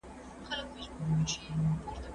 پښتو شعر ډېر تحولات لیدلي دي.